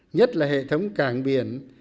nhất là hệ thống cảng biển